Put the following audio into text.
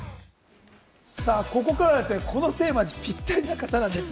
ここからはこのテーマにぴったりな方なんです。